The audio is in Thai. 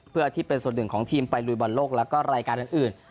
เพื่อที่เป็นส่วนหนึ่งของทีมไปลุยบอลโลกแล้วก็รายการอื่น